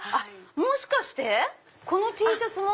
もしかしてこのＴシャツも？